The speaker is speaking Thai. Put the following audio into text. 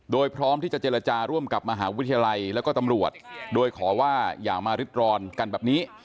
โดยพร้อมที่จะเจรจาร่วมกับมหาวิทยาลัยแล้วก็ตำรวจโดยขอว่าอย่ามาริดร้อนกันแบบนี้